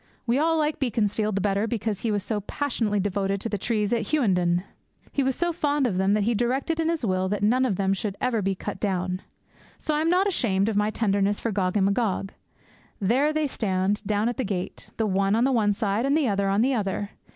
We all like Beaconsfield the better because he was so passionately devoted to the trees at Hughenden. He was so fond of them that he directed in his will that none of them should ever be cut down. So I am not ashamed of my tenderness for Gog and Magog. There they stand, down at the gate; the one on the one side, and the other on the other.